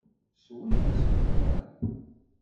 Swen-as qeḍṛan.